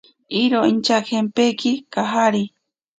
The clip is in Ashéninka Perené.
Iro inchajempeki kajari.